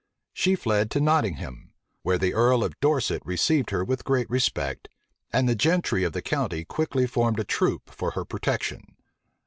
She fled to Nottingham; where the earl of Dorset received her with great respect, and the gentry of the county quickly formed a troop for her protection.